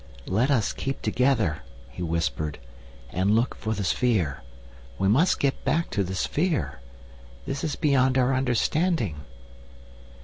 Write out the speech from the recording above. "Let us keep together," he whispered, "and look for the sphere. We must get back to the sphere. This is beyond our understanding."